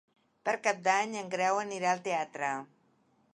Per Cap d'Any en Grau anirà al teatre.